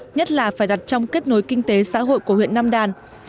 nhất là phải đặt trong kết nối kinh tế xã hội của huyện nam đàn